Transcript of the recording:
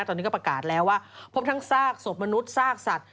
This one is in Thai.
ตอนนี้ก็ประกาศแล้วว่าพบทั้งซากศพมนุษย์ซากสัตว